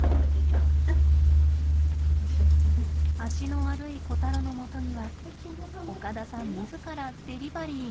脚の悪いコタロのもとには岡田さん自らデリバリー。